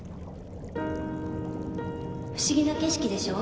不思議な景色でしょ。